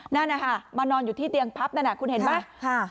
นั่นนะคะมานอนอยู่ที่เตียงพับนั่นคุณเห็นไหม